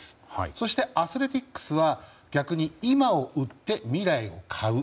そして、アスレチックスは逆に今を売って未来を買う。